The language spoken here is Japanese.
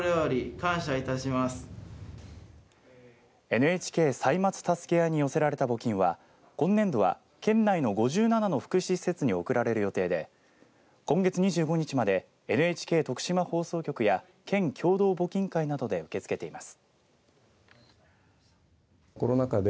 ＮＨＫ歳末たすけあいに寄せられた募金は今年度は県内の５７の福祉施設に贈られる予定で今月２５日までＮＨＫ徳島放送局や県共同募金会などで受け付けています。